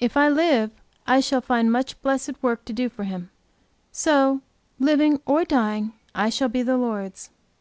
If I live, I shall find much blessed work to do for Him. So living or dying I shall be the Lord's.